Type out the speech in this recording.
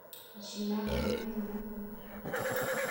Jjmeɣ anebdu!